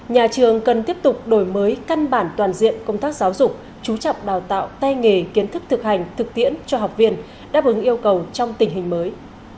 nhà trường cần tiếp tục đổi mới căn bản toàn diện công tác giáo dục chú trọng đào tạo tay nghề kiến thức thực hành thực tiễn cho học viên đáp ứng yêu cầu trong tình hình mới